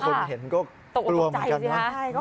คนเห็นก็กลัวเหมือนกันนะ